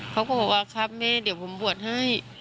เขาก็บอกว่าครับแม่เดี๋ยวผมบวชให้